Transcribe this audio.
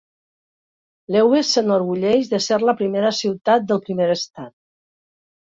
Lewes s'enorgulleix de ser "la primera ciutat del primer estat".